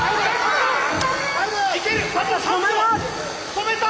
止めた！